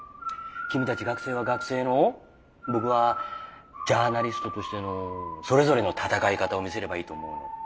君たち学生は学生の僕はジャーナリストとしてのそれぞれの戦い方を見せればいいと思うの。